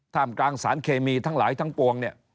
มกลางสารเคมีทั้งหลายทั้งปวงเนี่ย